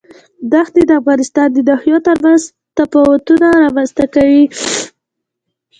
دښتې د افغانستان د ناحیو ترمنځ تفاوتونه رامنځ ته کوي.